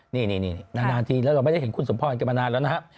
นี่นานทีแล้วเราไม่ได้เห็นคุณสมพรกันมานานแล้วนะครับ